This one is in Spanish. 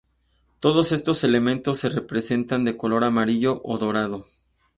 Todos estos elementos se representan de color amarillo o dorado.